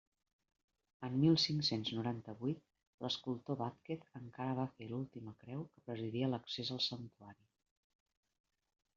En mil cinc-cents noranta-huit l'escultor Vázquez encara va fer l'última creu que presidia l'accés al santuari.